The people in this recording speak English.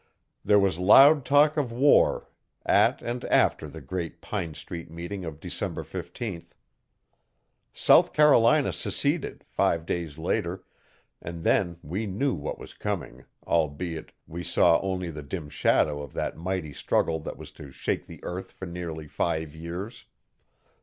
There was loud talk of war at and after the great Pine Street meeting of December 15. South Carolina seceded, five days later, and then we knew what was coming, albeit, we saw only the dim shadow of that mighty struggle that was to shake the earth for nearly five years.